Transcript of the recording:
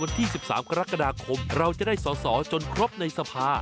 ที่๑๓กรกฎาคมเราจะได้สอสอจนครบในสภา